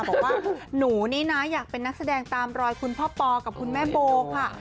บอกว่าหนูนี่นะอยากเป็นนักแสดงตามรอยคุณพ่อปอกับคุณแม่โบค่ะ